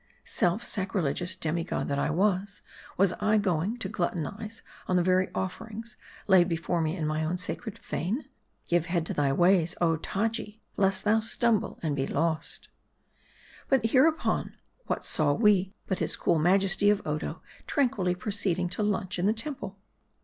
Self sacrilegious demigod that I was, was I going to gluttonize on the very offerings, laid before me in my own sacred fane ? Give heed to thy ways, oh Taji, lest thou stumble and be lost. MARDI. 201 But hereupon, what saw we, but his cool majesty of Odo tranquilly proceeding to lunch in the temple